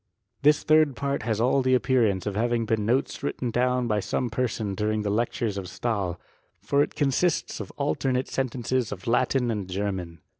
This tliird part has all the appearance of having been notes written down by some person during the lectures of Stahi : for it consists of alternate sentences of JLatin and Ger man.